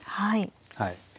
はい。